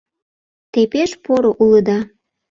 — Те пеш поро улыда.